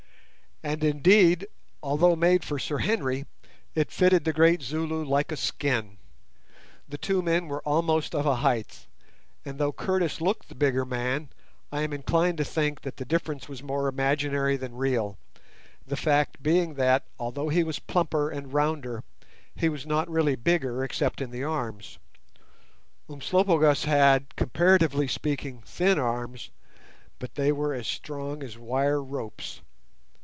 And indeed, although made for Sir Henry, it fitted the great Zulu like a skin. The two men were almost of a height; and, though Curtis looked the bigger man, I am inclined to think that the difference was more imaginary than real, the fact being that, although he was plumper and rounder, he was not really bigger, except in the arm. Umslopogaas had, comparatively speaking, thin arms, but they were as strong as wire ropes.